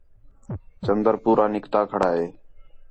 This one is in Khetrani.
چندر پورا نِکلتا کھڑا ہے